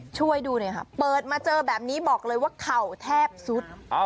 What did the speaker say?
ช่วยดูหน่อยค่ะเปิดมาเจอแบบนี้บอกเลยว่าเข่าแทบสุด